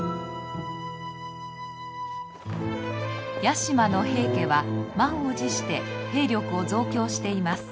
屋島の平家は満を持して兵力を増強しています。